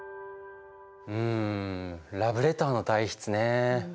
うんラブレターの代筆ねえ。